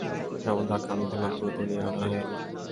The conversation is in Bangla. এমন ধাক্কা আমি খেলাম, পুরো দুনিয়া আঁধার হয়ে এলো।